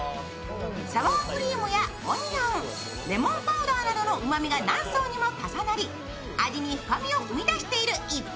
サワークリームやオニオンレモンパウダーなどのうまみが何層にも重なり味に深みを生み出している一品。